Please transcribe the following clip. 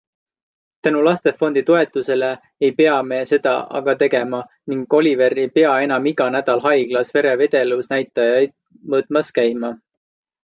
Tänu Lastefondi toetusele ei pea me seda aga tegema ning Oliver ei pea enam iga nädal haiglas vere vedelusnäitajaid mõõtmas käima.